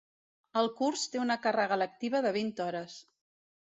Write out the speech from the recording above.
El curs té una càrrega lectiva de vint hores.